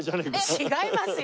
違いますよ。